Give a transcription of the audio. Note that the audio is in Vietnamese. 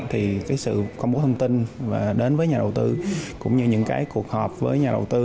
thì cái sự công bố thông tin đến với nhà đầu tư cũng như những cái cuộc họp với nhà đầu tư